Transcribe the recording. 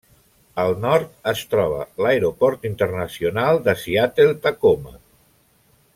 Al nord es troba l'Aeroport internacional de Seattle-Tacoma.